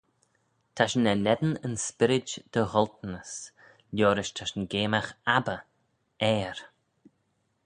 Ta shin er ngheddyn yn Spyrryd dy gholtanys, liorish ta shin geamagh Abba, Ayr.